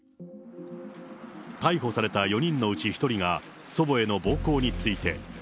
逮捕された４人のうち１人が祖母への暴行について。